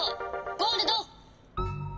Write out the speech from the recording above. ゴールド！